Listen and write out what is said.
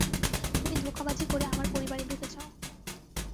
তুমি ধোঁকাবাজি করে আমার পরিবারে ঢুকেছো।